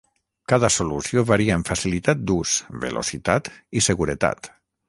Cada solució varia en facilitat d'ús, velocitat i seguretat.